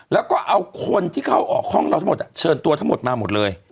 แล้วก็เอาคนที่เข้าออกห้องเราทั้งหมดเชิญตัวทั้งหมดมาหมดเลย